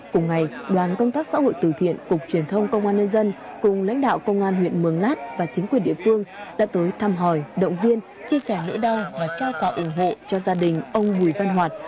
cùng ngày đoàn công tác xã hội từ thiện cục truyền thông công an nhân dân cùng lãnh đạo công an huyện mường lát và chính quyền địa phương đã tới thăm hỏi động viên chia sẻ nỗi đau và trao quà ủng hộ cho gia đình ông bùi văn hoạt